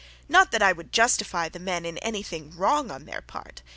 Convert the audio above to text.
Not that I would justify the men in any thing wrong on their part.